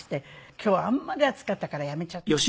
今日はあんまり暑かったからやめちゃったの。